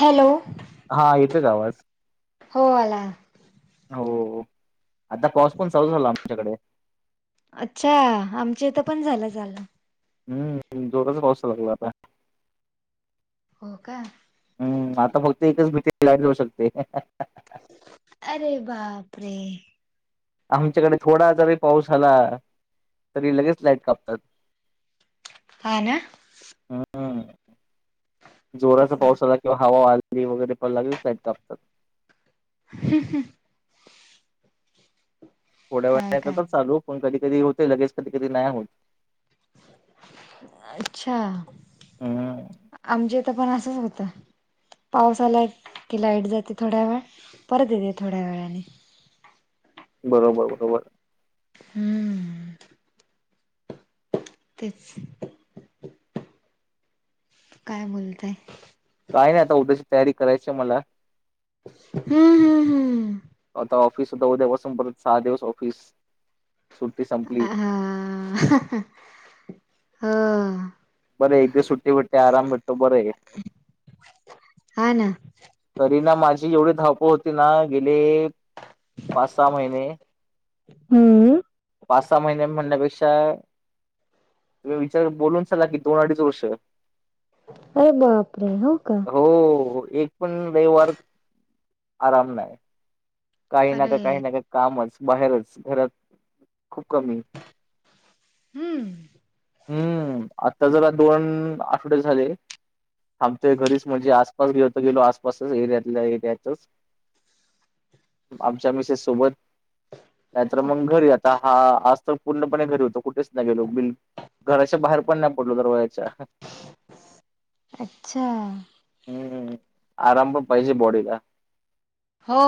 Hello [unintelligible] हा, येतोय का आवाज? हो, आला आला. हो हो, आता पाऊस पण चालू झाला आमच्याकडे अच्छा आमच्या इथं पण झाला झाला. हम्म, जोराच पावूस लागला आता. हो, काय हम्म, आता फक्त एकच मी काय लांब जाऊ शकतोय. अरे बापरे, आमच्याकडे थोडा जरी पाऊस झाला तरी लगेच लाईट कापतात. [inaudible] हा ना. हम्म, जोराचा तेच ना पाऊस आला. किंवा हवा आली वगैरे पण लागेल साईटला कापतात. ह ह [unintelligible] थोड्या काय काय वेळ चालू पण कधी कधी होते लगेज कधी कधी नाही होत. अच्छा हम्म आमच्य इथं पण असच होतं. पाऊस आला. की लाईट जाते थोड्या वेळ परत येते थोड्या वेळाने, बरोबर बरोबर, हम्म, तेच तेच काय बोलताय. काय नाही आता उद्याची तयारी करायची मला, हम्म हम्म हम्म आता ऑफिस सुद्धा उद्यापासून परत सहा दिवस ऑफिस सुट्टी संपली. अ हा हा हो, बर, एक दिवस सुट्टी भेटते. आराम भेटतो बर आहे की. हा ना. तरी ना माझी एवढी धावपळ होती ना गेले. पाच सहा महिने. हम्म, पाच -सहा महिने म्हणण्यापेक्षा तुम्ही विचार बोलून चला की, दोन अडीच वर्ष. अरे बापरे! हो का. हो एक पण रविवार, आराम नाय. काही ना अरे का, काही ना का, कामच. बाहेरच. घरात खूप कमी. हम्म. हम्म. आता जरा दोण, आठवडे झाले. थांबतोय घरीच. म्हणजे आसपास गेलो तर गेलो. आसपासच एरियातल्या, एरियातच. आमच्या मिसेस सोबत नाहीतर मग घरी. आता हा, आज तर पूर्णपणे घरी होतो. कुठेच नाही गेलो. बिल घराच्या बाहेर पण नाही पडलो. दरवाजाच्या अच्छा. हम्म. आराम पण पाहिजे बॉडीला. हो,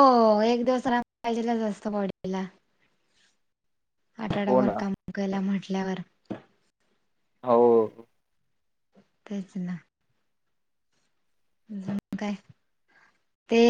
एक दिवस आराम पाहिजेलच असतो, बॉडीला. हो आठाडाभर ना. काम केला, म्हटल्यावर. हो. तेच ना. अजून, काय? ते